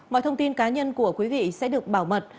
mọi thông tin cá nhân của quý vị sẽ được bảo mật